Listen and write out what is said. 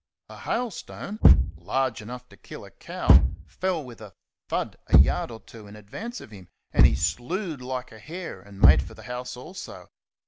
A hailstone, large enough to kill a cow, fell with a thud a yard or two in advance of him, and he slewed like a hare and made for the house also.